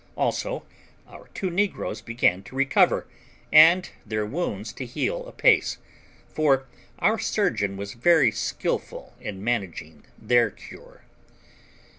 Also our two negroes began to recover, and their wounds to heal apace, for our surgeon was very skilful in managing their cure.